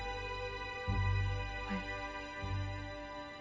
はい。